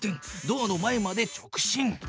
ドアの前まで直進。